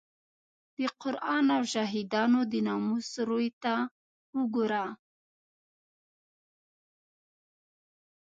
د قران او شهیدانو د ناموس روی ته وګوره.